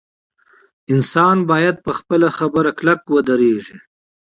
انسان باید په خپله خبره کلک ودریږي.